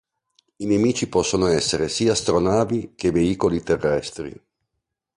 I nemici possono essere sia astronavi che veicoli terrestri.